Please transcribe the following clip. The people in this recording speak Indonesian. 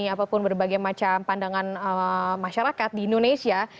apapun berbagai macam pandangan masyarakat di indonesia